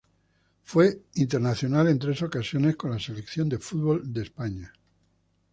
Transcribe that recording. Fue internacional en tres ocasiones con la selección de fútbol de España.